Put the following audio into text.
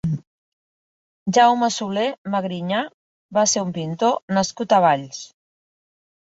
Jaume Solé Magriñà va ser un pintor nascut a Valls.